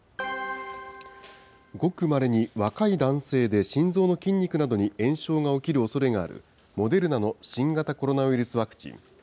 ごくまれに、若い男性で心臓の筋肉などに炎症が起きるおそれがある、モデルナの新型コロナウイルスワクチン。